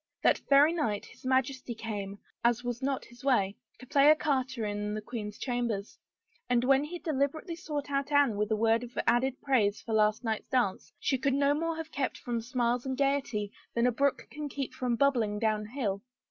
That very night his Majesty came, as was not his way, to play ecarte in the queen's chambers, and when he deliberately sought out Anne with a word of added praise for last night's dance she could no more have kept from smiles and gayety than a brook can keep from bubbling down hill.